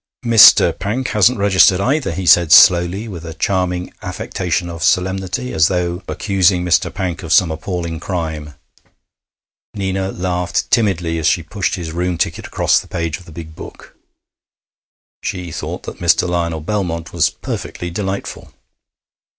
'Mr. Pank hasn't registered, either,' he said slowly, with a charming affectation of solemnity, as though accusing Mr. Pank of some appalling crime. Nina laughed timidly as she pushed his room ticket across the page of the big book. She thought that Mr. Lionel Belmont was perfectly delightful.